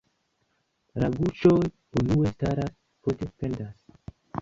La guŝoj unue staras, poste pendas.